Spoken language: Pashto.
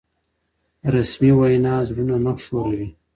رسمي وینا زړونه نه ښوروي.